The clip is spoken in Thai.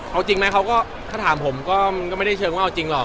เอาจริงไหมเขาก็ถ้าถามผมก็ไม่ได้เชิงว่าเอาจริงหรอก